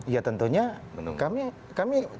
ya tentunya kami